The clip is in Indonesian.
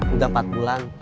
udah empat bulan